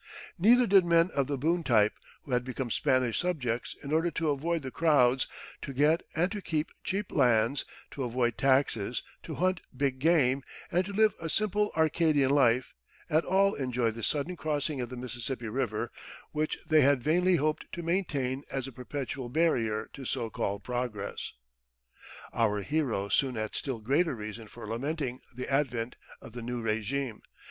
Neither did men of the Boone type who had become Spanish subjects in order to avoid the crowds, to get and to keep cheap lands, to avoid taxes, to hunt big game, and to live a simple Arcadian life at all enjoy this sudden crossing of the Mississippi River, which they had vainly hoped to maintain as a perpetual barrier to so called progress. Our hero soon had still greater reason for lamenting the advent of the new régime.